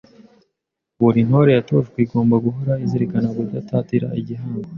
Buri Ntore yatojwe igomba guhora izirikana kudatatira igihango